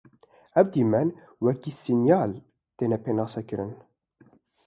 Ev dîmen wekî sînyal tên pênasekirin.